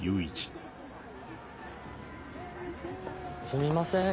すみません